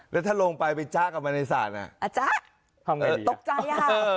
แล้วถ้าลงไปไปจ้ากับมันในสระน่ะอ่าจ๊ะทำไงดีตกใจอ่ะเออ